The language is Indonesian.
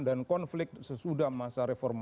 dan konflik sesudah masa reformasi